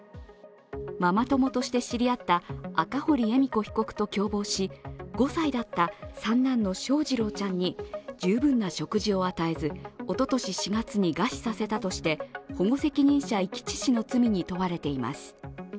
ママ友として知り合った赤堀恵美子被告と共謀し５歳だった三男の翔士郎ちゃんに十分な食事を与えずおととし４月に餓死させたとして保護責任者遺棄致死の罪に問われています。